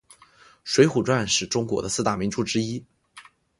水浒传是中国的四大名著之一。